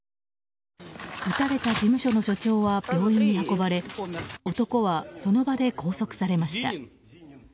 撃たれた事務所の所長は病院に運ばれ男はその場で拘束されました。